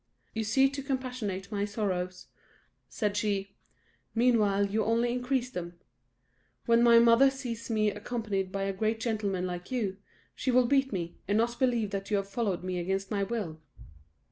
"You seem to compassionate my sorrows," said she; "meanwhile you only increase them. When my mother sees me accompanied by a great gentleman like you, she will beat me, and not believe that you have followed me against my will."